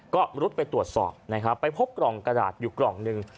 ก็รุดไปตรวจสอบนะครับไปพบกล่องกระดาษอยู่กล่องหนึ่ง